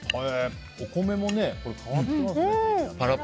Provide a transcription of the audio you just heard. お米も変わってますね。